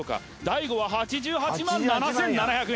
大悟は８８万７７００円